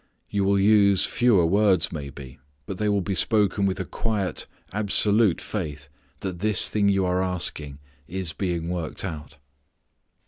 You will use fewer words, maybe, but they will be spoken with a quiet absolute faith that this thing you are asking is being worked out.